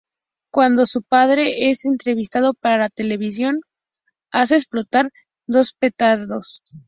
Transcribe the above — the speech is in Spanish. Cuando su padre es entrevistado para la televisión, hace explotar dos petardos.